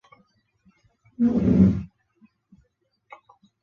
其祭孔典礼仍遵循古八佾舞的传统。